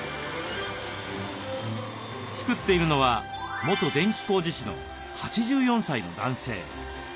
作っているのは元電気工事士の８４歳の男性。